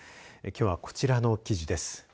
きょうはこちらの記事です。